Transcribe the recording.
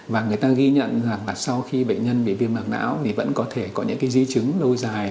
và người ta ghi nhận rằng là sau khi bệnh nhân bị viêm mảng não thì vẫn có thể có những cái di chứng lâu dài